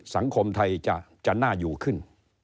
สังคมไทยจะน่าอยู่ขึ้น